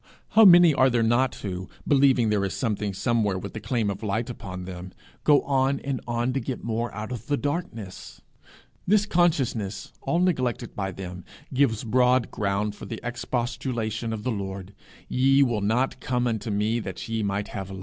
How many are there not who, believing there is something somewhere with the claim of light upon them, go on and on to get more out of the darkness! This consciousness, all neglected by them, gives broad ground for the expostulation of the Lord 'Ye will not come unto me that ye might have life!'